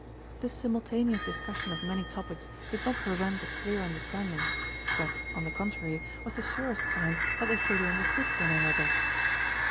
This simultaneous discussion of many topics did not prevent a clear understanding but on the contrary was the surest sign that they fully understood one another.